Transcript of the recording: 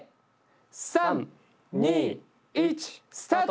３・２・１スタート！